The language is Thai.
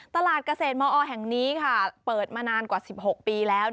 ตลาดเกษตรมอแห่งนี้เปิดมานานกว่า๑๖ปีแล้ว